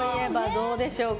どうでしょうか。